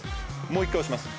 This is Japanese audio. もう１回押します。